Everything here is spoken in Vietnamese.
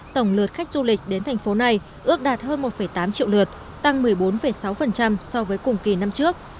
tổng lượt khách du lịch đến thành phố này ước đạt hơn một tám triệu lượt tăng một mươi bốn sáu so với cùng kỳ năm trước